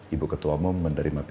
ibu ketua umum menerima p tiga